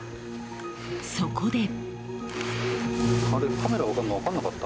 そこで。